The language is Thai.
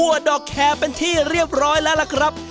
ดอกแคร์เป็นที่เรียบร้อยแล้วล่ะครับ